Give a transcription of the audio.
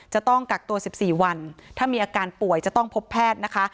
จะต้องกักตัว๑๔วันถ้ามีอาการป่วยจะต้องพบแพทย์นะคะ